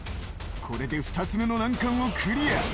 これで２つ目の難関をクリア